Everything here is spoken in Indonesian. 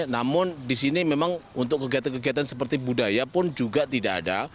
namun di sini memang untuk kegiatan kegiatan seperti budaya pun juga tidak ada